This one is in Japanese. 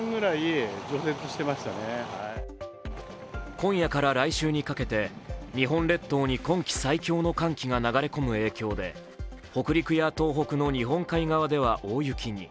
今夜から来週にかけて日本列島に今季最強の寒気が流れ込む液で北陸や東北の日本海側では大雪に。